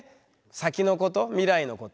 先のこと未来のこと。